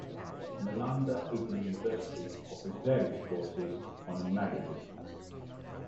Nalanda Open University offers various courses on Magahi.